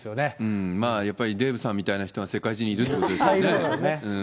うん、やっぱりデーブさんみたいな人たちが世界中にいるってことですよね。